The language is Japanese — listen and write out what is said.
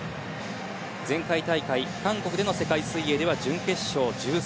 前回大会、韓国での世界水泳では準決勝、１３位。